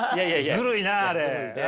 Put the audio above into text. ずるいなあれ。